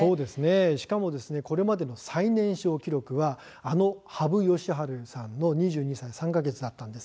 しかも、これまでの最年少記録はあの羽生善治さんの２２歳３か月だったんです。